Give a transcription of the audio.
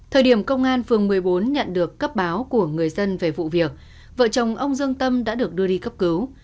thời điểm công an phường một mươi bốn nhận được cấp báo của người dân về vụ việc vợ chồng ông dương tâm đã được đưa đi cấp cứu